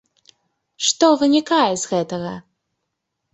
Што вынікае з гэтага?